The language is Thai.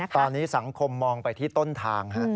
ตอนนี้สังคมมองไปที่ต้นทาง